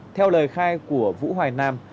theo lời khai của vũ hoài nam